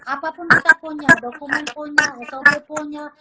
apapun kita punya dokumen punya ototnya punya